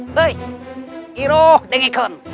duh iruh dengikan